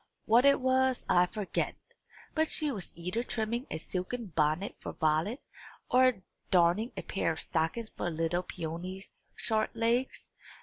What it was I forget; but she was either trimming a silken bonnet for Violet, or darning a pair of stockings for little Peony's short legs.